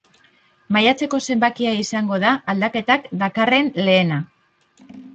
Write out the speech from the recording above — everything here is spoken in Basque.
Maiatzeko zenbakia izango da aldaketak dakarren lehena.